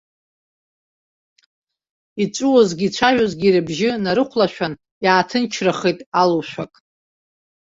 Иҵәуозгьы ицәажәозгьы рыбжьы нарыхәлашәан, иааҭынчрахеит алушәак.